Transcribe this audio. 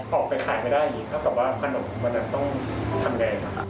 ออกไปขายไม่ได้ถ้าบอกว่าคณะมันต้องทำยังไง